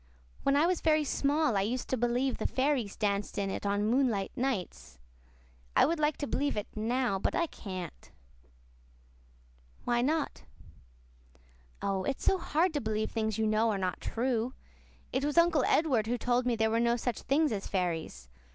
When I was very small I used to believe the fairies danced in it on moonlight nights. I would like to believe it now but I can't." "Why not?" "Oh, it's so hard to believe things you know are not true. It was Uncle Edward who told me there were no such things as fairies.